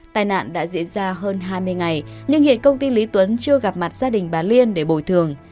tài nạn đã diễn ra hơn hai mươi ngày nhưng hiện công ty lý tuấn chưa gặp mặt gia đình bà liên để bồi thường